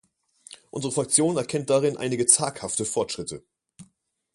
Unsere Fraktion erkennt darin einige zaghafte Fortschritte.